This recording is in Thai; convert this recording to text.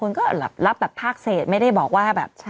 คุณก็รับแบบภาคเศษไม่ได้บอกว่าแบบ